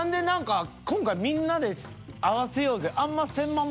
何か今回みんなで合わせようぜあんません